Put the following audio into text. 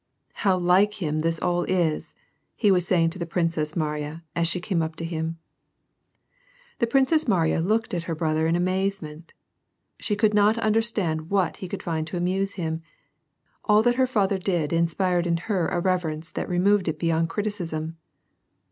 "How like him this all is !" he was saying to the Princess Mariya^ as she came up to him. The Princess Mariya looked at her brother in amazement. She could not understand what he could tind to amuse him. All that her father did inspired in her a reverence that removed it beyond criticism.